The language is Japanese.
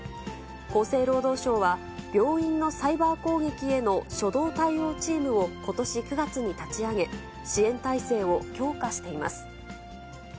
厚生労働省は、病院のサイバー攻撃への初動対応チームをことし９月に立ち上げ、支援体制を強化しています。